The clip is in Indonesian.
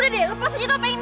lepas aja topeng ini